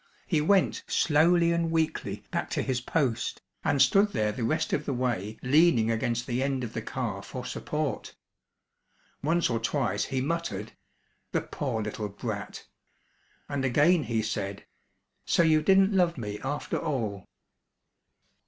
He went slowly and weakly back to his post and stood there the rest of the way leaning against the end of the car for support. Once or twice he muttered: "The poor little brat!" And again he said, "So you didn't love me after all!"